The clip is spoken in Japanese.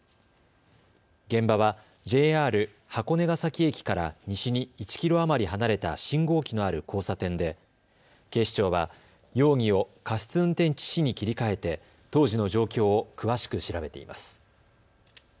現場はＪＲ箱根ヶ崎駅から西に１キロ余り離れた信号機のある交差点で警視庁は容疑を過失運転致死に切り替えて当時の状況を詳しく調べています。